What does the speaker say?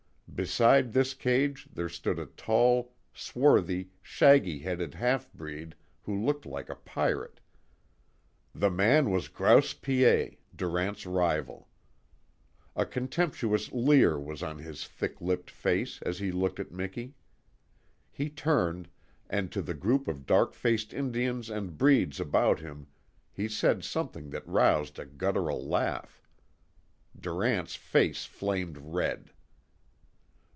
Beside this cage there stood a tall, swarthy, shaggy headed halfbreed who looked like a pirate. The man was Grouse Piet, Durant's rival. A contemptuous leer was on his thick lipped face as he looked at Miki. He turned, and to the group of dark faced Indians and breeds about him he said something that roused a guttural laugh. Durant's face flamed red.